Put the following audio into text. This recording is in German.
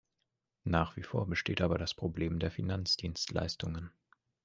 Nach wie vor besteht aber das Problem der Finanzdienstleistungen.